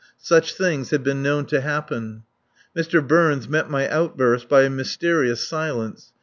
Such things had been known to happen. Mr. Burns met my outburst by a mysterious silence.